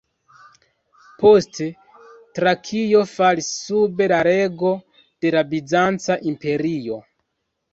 Poste, Trakio falis sub la rego de la Bizanca Imperio.